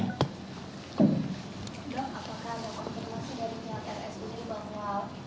dok apakah ada konfirmasi dari pihak rsud